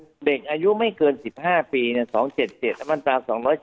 คือเด็กอายุไม่เกิน๑๕ปี๒๗๗มันตา๒๗๗